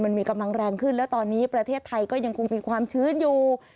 มันมีกำลังแรงขึ้นและตอนนี้ประเทศไทยก็ยังคงมีความชื้นอยู่